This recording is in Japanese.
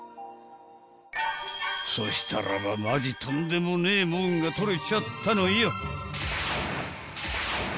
［そしたらばマジとんでもねえもんが撮れちゃったのよ］